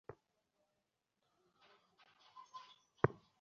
তোমার মনের ভাবটা কী বুঝাইয়া বলো দেখি।